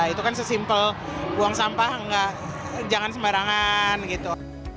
itu kan sesimpel buang sampah jangan sembarangan gitu